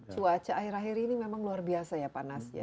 cuaca akhir akhir ini memang luar biasa ya panasnya